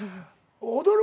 『踊る！